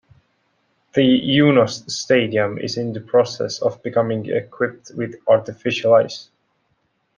The Yunost' Stadium is in the process of becoming equipped with artificial ice.